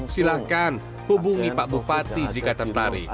silahkan hubungi pak bupati jika tertarik